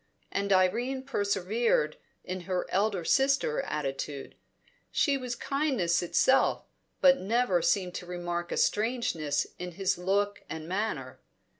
And Irene persevered in her elder sister attitude; she was kindness itself, but never seemed to remark a strangeness in his look and manner.